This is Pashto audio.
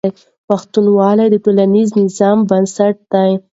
پښتونولي د ټولنیز نظم بنسټ دی.